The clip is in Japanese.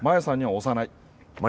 押さない。